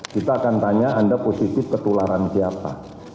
kita akan tanya anda positif ketularan siapa